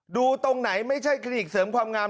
ดูตรงไหนไม่ใช่คลินิกเสริมความงาม